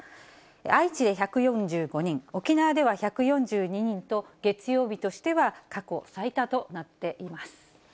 愛知で１４５人、沖縄では１４２人と、月曜日としては過去最多となっています。